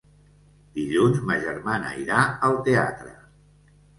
Dilluns ma germana irà al teatre.